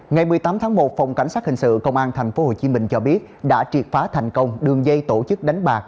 ngày một mươi tám tháng một phòng cảnh sát hình sự công an thành phố hồ chí minh cho biết đã triệt phá thành công đường dây tổ chức đánh bạc